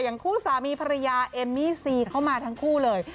คู่สามีภรรยาเอมมี่ซีเข้ามาทั้งคู่เลย